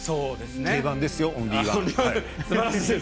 定番ですよ、オンリーワン。